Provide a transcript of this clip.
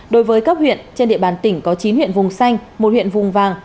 đối với cấp huyện trên địa bàn tỉnh có chín huyện vùng xanh một huyện vùng vàng